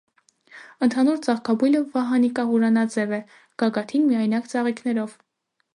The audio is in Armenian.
Ընդհանուր ծաղկաբույլը վահանիկահուրանաձև է, գագաթին միայնակ ծաղիկներով։